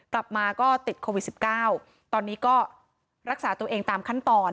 กลับมาก็ติดโควิด๑๙ตอนนี้ก็รักษาตัวเองตามขั้นตอน